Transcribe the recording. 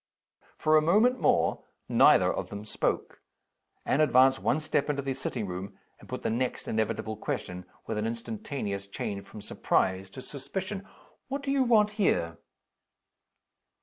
For a moment more neither of them spoke. Anne advanced one step into the sitting room, and put the next inevitable question, with an instantaneous change from surprise to suspicion. "What do you want here?"